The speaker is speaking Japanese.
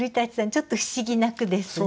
ちょっと不思議な句ですね。